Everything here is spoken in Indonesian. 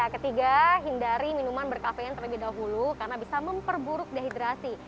ketiga hindari minuman berkafein terlebih dahulu karena bisa memperburuk dehidrasi